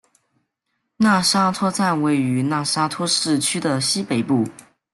讷沙托站位于讷沙托市区的西北部。